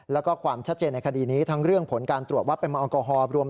และความชัดเจนในคดีทั้งเรื่องของผลการตรวจวัดแอลกอฮอล์ก่อน